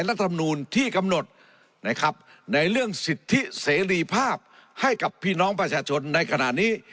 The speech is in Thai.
รัฐมนูลที่กำหนดนะครับในเรื่องสิทธิเสรีภาพให้กับพี่น้องประชาชนในขณะนี้